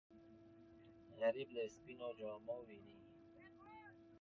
غریب له سپینو جامو وېرېږي